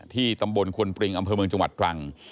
ตำบลควนปริงอำเภอเมืองจังหวัดตรัง